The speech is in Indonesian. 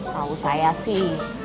tahu saya sih